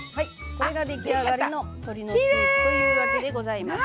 これが出来上がりの鶏のスープというわけでございます。